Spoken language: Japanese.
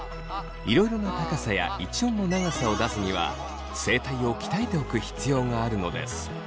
いろいろな高さや一音の長さを出すには声帯を鍛えておく必要があるのです。